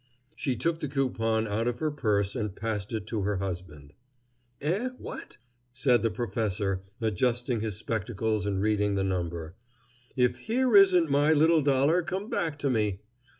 She took the coupon out of her purse and passed it to her husband. "Eh! what?" said the professor, adjusting his spectacles and reading the number. "If here isn't my little dollar come back to me!